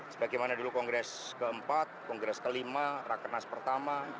sebagaimana dulu kongres keempat kongres kelima rakenas pertama